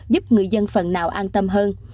giúp người dân phần nào an tâm hơn